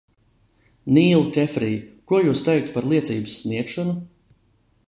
Nīl Kefrij, ko jūs teiktu par liecības sniegšanu?